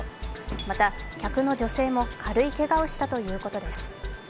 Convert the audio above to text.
また、客の女性も軽いけがをしたということです。